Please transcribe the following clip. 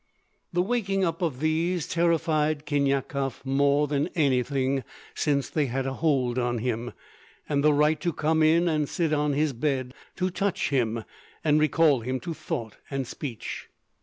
The waking up of these terrified Khinyakov more than anything, since they had a hold on him, and the right to come in and sit on his bed, to touch him, and recall him to thought and speech.